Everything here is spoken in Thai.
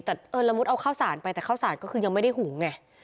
แต่เออละมุดเอาข้าวสารไปแต่ข้าวสารก็คือยังไม่ได้หุงไง